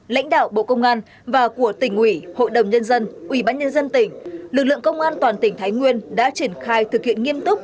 lãnh đạo bộ công an và của tỉnh ủy hội đồng nhân dân ubnd tỉnh lực lượng công an toàn tỉnh thái nguyên đã triển khai thực hiện nghiêm túc